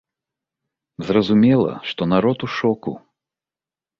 Зразумела, што народ у шоку.